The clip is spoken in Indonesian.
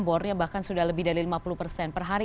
bornya bahkan sudah lebih dari lima puluh persen per hari